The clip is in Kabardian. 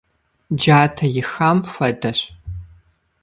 Джатэ ихам хуэдэщ.